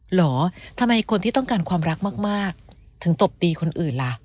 เหรอทำไมคนที่ต้องการความรักมากถึงตบตีคนอื่นล่ะ